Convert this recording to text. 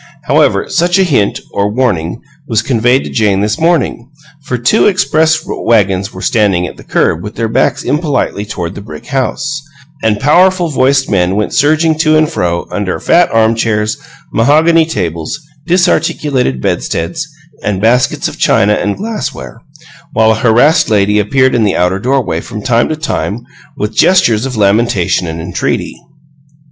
However, such a hint, or warning, was conveyed to Jane this morning, for two "express wagons" were standing at the curb with their backs impolitely toward the brick house; and powerful voiced men went surging to and fro under fat arm chairs, mahogany tables, disarticulated bedsteads, and baskets of china and glassware; while a harassed lady appeared in the outer doorway, from time to time, with gestures of lamentation and entreaty.